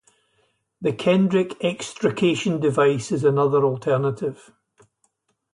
The Kendrick extrication device is another alternative.